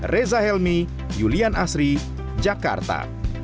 reza helmi julian asri jakarta